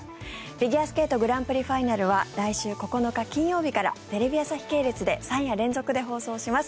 フィギュアスケートグランプリファイナルは来週９日、金曜日からテレビ朝日系列で３夜連続で放送します。